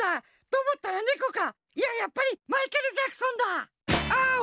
いややっぱりマイケル・ジャクソンだ！